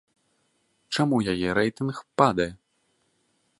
Чаму яе рэйтынг падае?